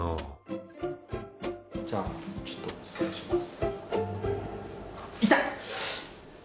じゃあちょっと失礼します。